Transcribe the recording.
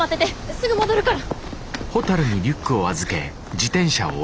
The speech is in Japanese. すぐ戻るから！